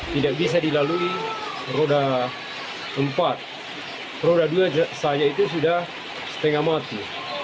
tidak bisa dilalui roda empat roda dua saya itu sudah setengah mati